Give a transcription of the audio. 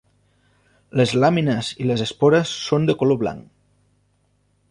Les làmines i les espores són de color blanc.